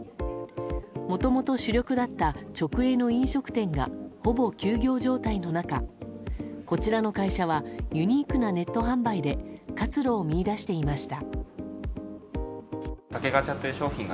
もともと主力だった直営の飲食店がほぼ休業状態の中こちらの会社はユニークなネット販売で活路を見いだしていました。